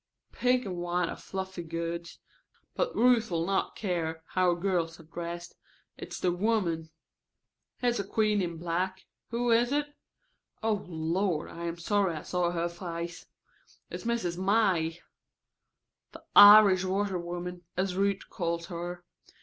Pink and white are fluffy goods. But Ruth'll not care how girls are dressed. It's the women." "Here's a queen in black. Who is it? Oh, Lord! I am sorry I saw her face. It's Mrs. May , the Irish washerwoman, as Ruth calls her.